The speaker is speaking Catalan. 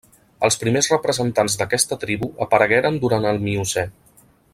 Els primers representants d'aquesta tribu aparegueren durant el Miocè.